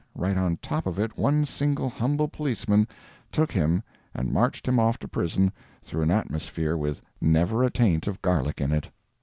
right on top of it one single humble policeman took him and marched him off to prison through an atmosphere with never a taint of garlic in it.